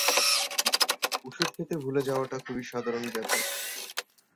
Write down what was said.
ওষুধ খেতে ভুলে যাওয়াটা খুবই সাধারণ ব্যাপার।